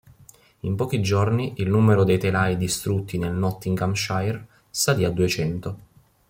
In pochi giorni il numero dei telai distrutti nel Nottinghamshire salì a duecento.